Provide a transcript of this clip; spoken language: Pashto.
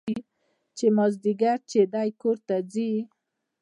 چې مازديګر چې دى کور ته ځي.